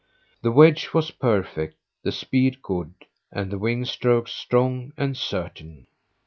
The wedge was perfect, the speed good, and the wing strokes strong and certain.